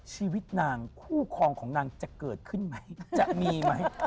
ชีวิตนางคู่ครองของนางจะเกิดขึ้นไหมจะมีไหม